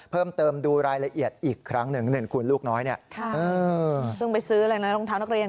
เพิ่มเติมดูรายละเอียดอีกครั้งหนึ่งคุณลูกน้อยเนี่ย